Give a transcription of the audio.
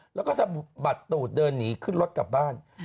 แล้วก็สะบัดตูดเดินหนีขึ้นรถกลับบ้าน